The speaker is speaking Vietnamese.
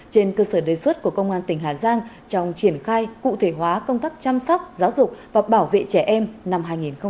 trên cơ sở đề xuất của công an tỉnh hà giang trong triển khai cụ thể hóa công tác chăm sóc giáo dục và bảo vệ trẻ em năm hai nghìn hai mươi ba